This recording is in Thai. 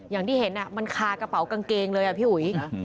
อย่างที่เห็นมันคากระเป๋ากางเกงเลยอ่ะพี่อุ๋ย